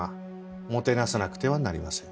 もてなさなくてはなりません。